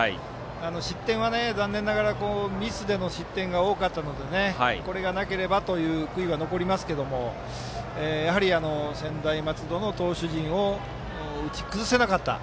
失点は残念ながらミスでの失点が多かったのでこれがなければという悔いは残りますけどやはり専大松戸の投手陣を打ち崩せなかった。